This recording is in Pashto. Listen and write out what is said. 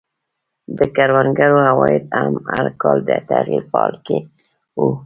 د کروندګرو عواید هم هر کال د تغییر په حال کې وو.